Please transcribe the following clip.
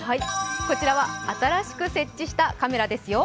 こちらは新しく設置したカメラですよ。